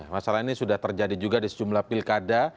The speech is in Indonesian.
masalah ini sudah terjadi juga di sejumlah pilkada